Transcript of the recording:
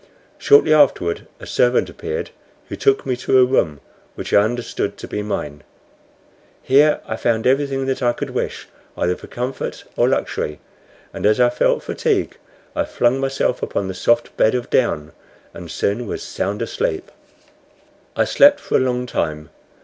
Shortly afterward a servant appeared, who took me to a room, which I understood to be mine. Here I found everything that I could wish, either for comfort or luxury; and as I felt fatigue, I flung myself upon the soft bed of down, and soon was sound asleep. I slept for a long time.